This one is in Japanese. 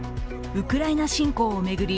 ウクライナ侵攻を巡り